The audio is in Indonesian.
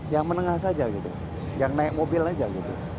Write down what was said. yang menengah saja gitu yang naik mobil aja gitu